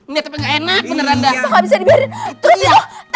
nih tapi ga enak bener anda